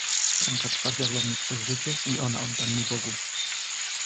Ręka twa mnie wiodła przez życie i ona odda mnie Bogu.